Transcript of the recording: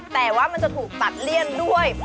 แต่ว่ามันจะถูกตัดเลี่ยนด้วย